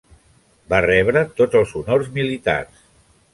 Va rebre tots els honors militars.